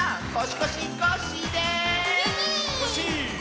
コッシー！